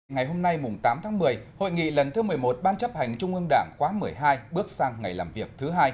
ngày hôm nay tám tháng một mươi hội nghị lần thứ một mươi một ban chấp hành trung ương đảng khóa một mươi hai bước sang ngày làm việc thứ hai